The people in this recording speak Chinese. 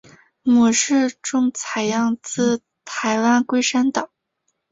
模式种采样自台湾龟山岛。